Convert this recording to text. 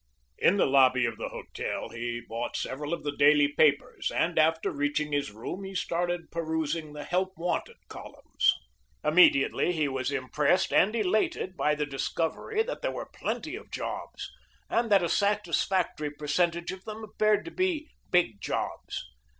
In the lobby of the hotel he bought several of the daily papers, and after reaching his room he started perusing the "Help Wanted" columns. Immediately he was impressed and elated by the discovery that there were plenty of jobs, and that a satisfactory percentage of them appeared to be big jobs.